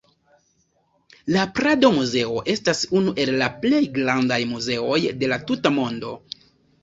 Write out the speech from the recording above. La Prado-Muzeo estas unu el la plej grandaj muzeoj de la tuta mondo.